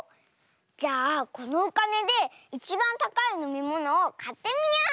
じゃあこのおかねでいちばんたかいのみものをかってみよう！